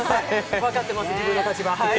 分かってます、自分の立場。